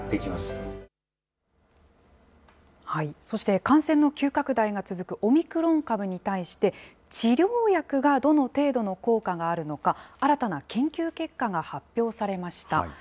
そして感染の急拡大が続くオミクロン株に対して、治療薬がどの程度の効果があるのか、新たな研究結果が発表されました。